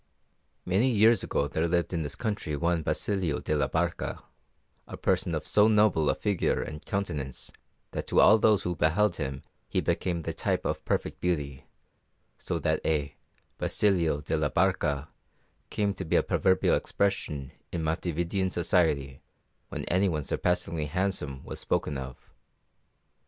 "Many years ago there lived in this country one Basilio de la Barca, a person of so noble a figure and countenance that to all those who beheld him he became the type of perfect beauty, so that a 'Basilio de la Barca' came to be a proverbial expression in Montevidean society when anyone surpassingly handsome was spoken of.